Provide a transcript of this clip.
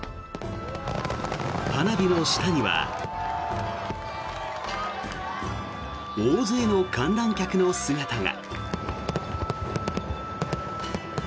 花火の下には大勢の観覧客の姿が。